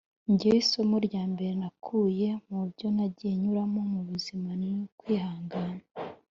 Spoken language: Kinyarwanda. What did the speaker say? ngewe isomo rya mbere nakuye mu byo nagiye nyuramo mu buzima, ni ukwihangana